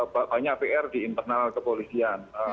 banyak pr di internal kepolisian